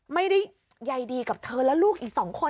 ไม่ได้ใยดีกับเธอและลูกอีก๒คน